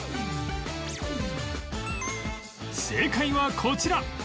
正解はこちら